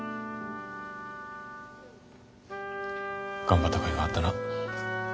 頑張ったかいがあったな。